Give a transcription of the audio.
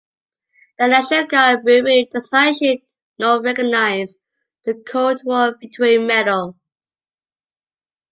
The National Guard Bureau does not issue nor recognize the Cold War Victory Medal.